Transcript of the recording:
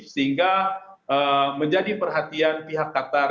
sehingga menjadi perhatian pihak qatar